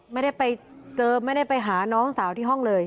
ไม่ได้ไปเจอไม่ได้ไปหาน้องสาวที่ห้องเลย